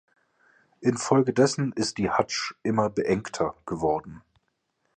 Infolgedessen ist die Hadsch immer beengter geworden.